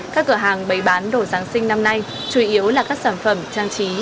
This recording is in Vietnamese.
các cửa hàng bày bán đồ giáng sinh năm nay chủ yếu là các sản phẩm trang trí